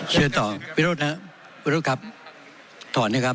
ขอประท้วงครับขอประท้วงครับขอประท้วงครับขอประท้วงครับ